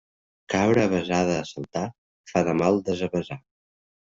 Cabra avesada a saltar fa de mal desavesar.